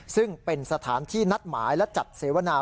ซึ่งเป็นสถานที่นัดหมายและจัดเสวนา